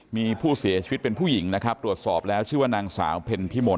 มีผู้เสียชีวิตเป็นผู้หญิงนะครับตรวจสอบแล้วชื่อว่านางสาวเพ็ญพิมล